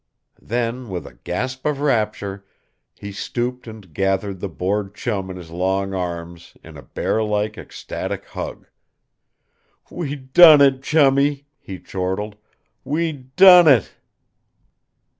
Then, with a gasp of rapture, he stooped and gathered the bored Chum in his long arms, in a bearlike, ecstatic hug. "We done it, Chummie!" he chortled. "WE DONE IT!"